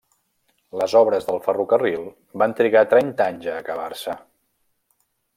Les obres del ferrocarril van trigar trenta anys a acabar-se.